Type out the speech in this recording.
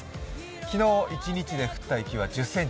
昨日一日で降った雪は１０ｃｍ。